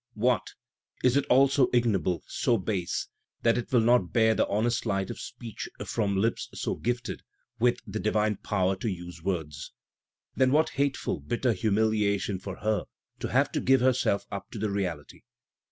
What! is it aU so ignoble, so base, that it will not bear the honest Ught of speech from Ups so gifted with *the divine power to use words'? Then what hateful, bitter humiliation for her, to have to give herself up to the reality